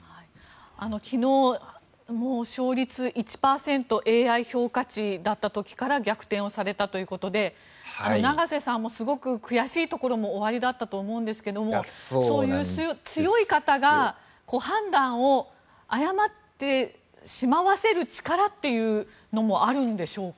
昨日、勝率１％ＡＩ評価値だった時から逆転されたということで永瀬さんもすごく悔しいところもおありだったと思うんですけれどもそういう強い方に判断を誤ってしまわせる力もあるんでしょうか。